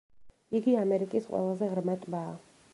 იგი ამერიკის ყველაზე ღრმა ტბაა.